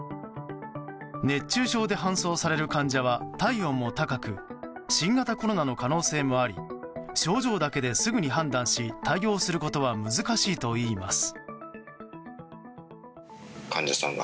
熱中症で搬送される患者は体温も高く新型コロナの可能性もあり症状だけですぐに判断し対応することは難しいといいます。